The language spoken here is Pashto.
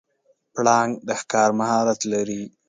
پړانګ د ښکار مهارت لري.